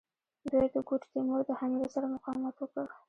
دوی د ګوډ تیمور د حملو سره مقاومت وکړ.